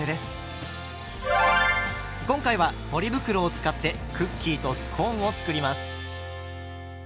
今回はポリ袋を使ってクッキーとスコーンを作ります。